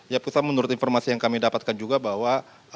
ya pusat menurut informasi yang kami dapatkan juga bahwa